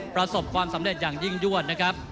ประสบความสำเร็จอย่างยิ่งยวดนะครับ